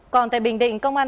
còn tại bình định công an